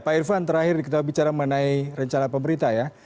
pak irvan terakhir kita bicara mengenai rencana pemerintah